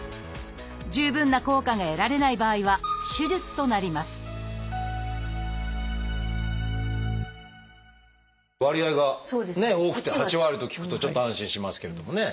十分な効果が得られない場合は手術となります割合が多くて８割と聞くとちょっと安心しますけれどもね。